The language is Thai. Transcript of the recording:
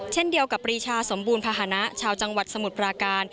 เช่นเดียวกับปรีชาสมบูรณภาษณะชาวจังหวัดสมุทรปราการ